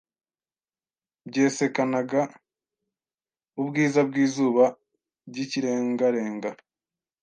byexekanaga ubwiza bw'izuba ry'ikirengarenga